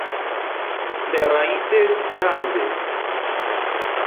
De raíces grandes.